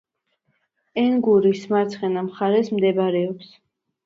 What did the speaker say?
ენგურის მარცხენა მხარეს მდებარეობს.